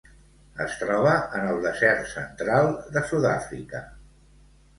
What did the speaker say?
Es troba en el desert central de Sud-àfrica.